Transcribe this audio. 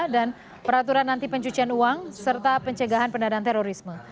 dan peraturan anti pencucian uang serta pencegahan pendanaan terorisme